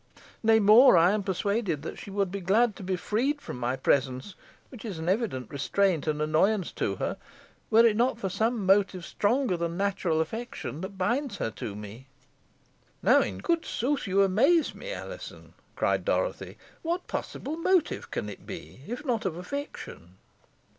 Nay more, I am persuaded she would be glad to be freed from my presence, which is an evident restraint and annoyance to her, were it not for some motive stronger than natural affection that binds her to me." "Now, in good sooth, you amaze me, Alizon!" cried Dorothy. "What possible motive can it be, if not of affection?"